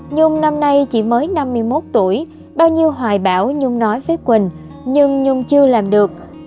nhung năm nay chỉ mới năm mươi một tuổi bao nhiêu hoài bảo nhung nói với quỳnh nhưng nhung chưa làm được